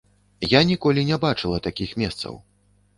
Я ніколі і не бачыла такіх месцаў.